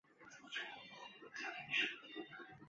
魔女阵营荷丽歌恩一族